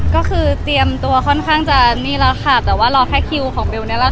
ก็คือเตรียมตัวค่อนข้างจะนี่แล้วค่ะแต่ว่ารอแค่คิวของเบลนี่แหละค่ะ